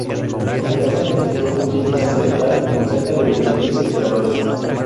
La plaza registró un lleno casi total, con cerca de veinte mil espectadores.